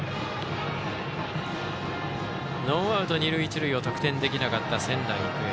ノーアウト、二塁一塁を得点できなかった仙台育英。